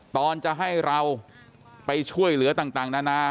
ตอนจะให้เราไปช่วยเหลือต่างนานา